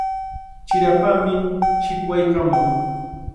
Chirapami shikwaykaamun.